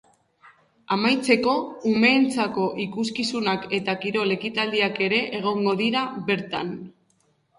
Amaitzeko, umeentzako ikuskizunak eta kirol ekitaldiak ere egongo dira bertan.